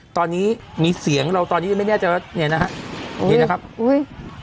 ตอนนี้มีเสียงเราตอนนี้ยังไม่แน่ใจว่าเนี่ยนะฮะนี่นะครับอุ้ย